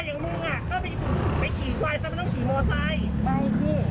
เดี๋ยวพี่มาดูวีดีโอเรามาถ่ายมั้ย